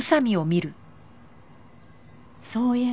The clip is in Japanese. そういえば。